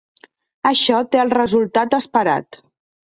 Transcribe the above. Això té el resultat esperat.